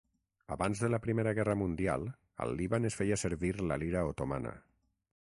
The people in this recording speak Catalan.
Abans de la Primera Guerra Mundial, al Líban es feia servir la lira otomana.